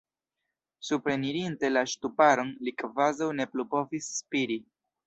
Suprenirinte la ŝtuparon, li kvazaŭ ne plu povis spiri.